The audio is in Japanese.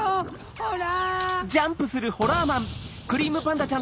ホラ！